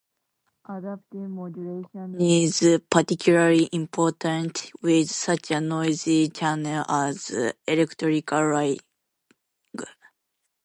Adaptive modulation is particularly important with such a noisy channel as electrical wiring.